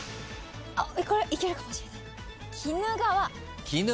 これはいけるかもしれない。